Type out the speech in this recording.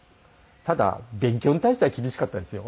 ただ勉強に対しては厳しかったですよ。